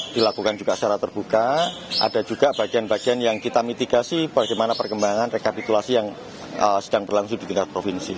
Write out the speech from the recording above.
dilakukan juga secara terbuka ada juga bagian bagian yang kita mitigasi bagaimana perkembangan rekapitulasi yang sedang berlangsung di tingkat provinsi